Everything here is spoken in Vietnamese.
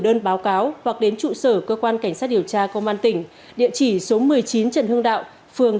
đơn báo cáo hoặc đến trụ sở cơ quan cảnh sát điều tra công an tỉnh địa chỉ số một mươi chín trần hưng đạo phường